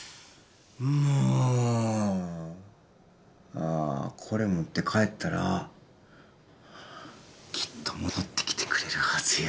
ああこれ持って帰ったらきっと戻ってきてくれるはずや。